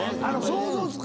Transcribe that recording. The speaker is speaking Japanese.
想像つく味。